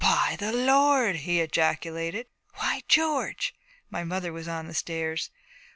'By the Lord!' he ejaculated. 'Why, George!' My mother was on the stairs.